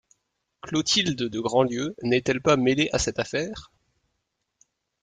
Clotilde de Grandlieu n’est-elle pas mêlée à cette affaire?